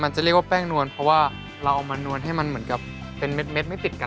จะเรียกว่าแป้งนวลเพราะว่าเราเอามานวลให้มันเหมือนกับเป็นเม็ดไม่ติดกัน